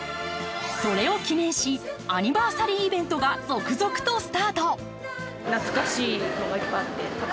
それを記念し、アニバーサリーイベントが続々とスタート。